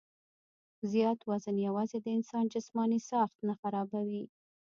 زيات وزن يواځې د انسان جسماني ساخت نۀ خرابوي